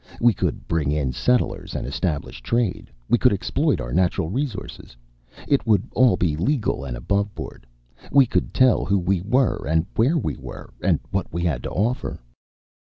We could bring in settlers and establish trade. We could exploit our natural resources. It would all be legal and aboveboard. We could tell who we were and where we were and what we had to offer."